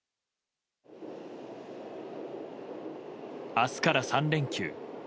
明日から３連休。